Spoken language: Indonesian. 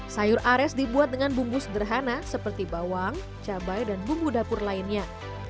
sayur ares dibuat dengan bumbu sederhana seperti bawang cabai dan bumbu dapur lainnya